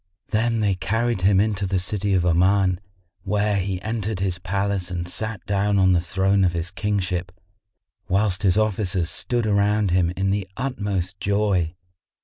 Then they carried him into the city of Oman, where he entered his palace and sat down on the throne of his kingship, whilst his officers stood around him in the utmost joy.